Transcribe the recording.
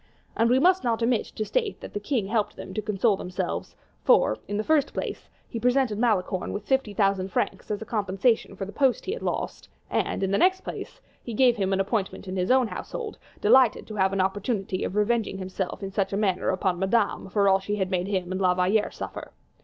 And we must not omit to state that the king helped them to console themselves, for, in the first place, he presented Malicorne with fifty thousand francs as a compensation for the post he had lost, and, in the next place, he gave him an appointment in his own household, delighted to have an opportunity of revenging himself in such a manner upon Madame for all she had made him and La Valliere suffer.